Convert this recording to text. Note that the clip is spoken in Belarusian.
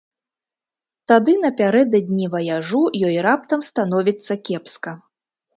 Тады напярэдадні ваяжу ёй раптам становіцца кепска.